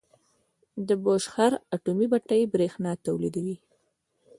د بوشهر اټومي بټۍ بریښنا تولیدوي.